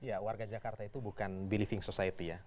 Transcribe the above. ya warga jakarta itu bukan builving society ya